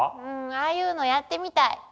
うんああいうのやってみたい。